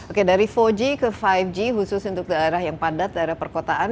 oke dari empat g ke lima g khusus untuk daerah yang padat daerah perkotaan